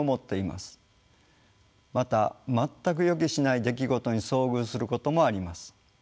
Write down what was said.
また全く予期しない出来事に遭遇することもあります。